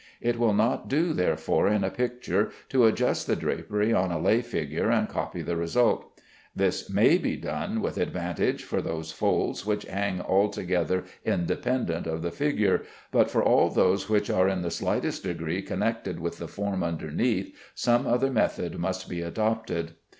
It will not do therefore in a picture to adjust the drapery on a lay figure and copy the result. This may be done with advantage for those folds which hang altogether independent of the figure, but for all those which are in the slightest degree connected with the form underneath, some other method must be adopted.